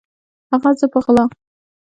هغه زه په غلا